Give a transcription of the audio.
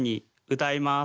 歌います。